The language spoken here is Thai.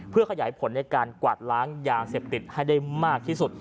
เพื่อขยายผลในการกวาดล้างยาเสพติดให้ได้มากที่สุด